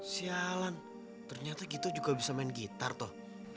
sialan ternyata gitu juga bisa main gitar toh